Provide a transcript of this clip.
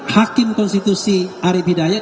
hakim konstitusi arief hidayat